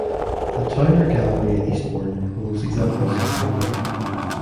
The Towner Gallery in Eastbourne holds examples of her work.